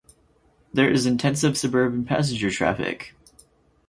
There is intensive suburban passenger traffic.